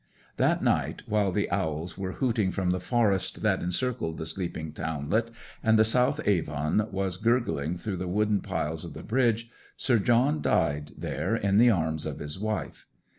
That night, while the owls were hooting from the forest that encircled the sleeping townlet, and the South Avon was gurgling through the wooden piles of the bridge, Sir John died there in the arms of his wife.